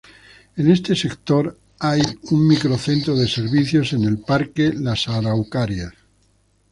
En este sector hay un microcentro de servicios en el parque Las Araucarias.